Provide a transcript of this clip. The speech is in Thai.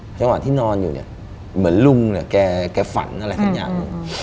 เฉพาะที่นอนอยู่เหมือนลุงแกฝันอะไรทั้งอย่าง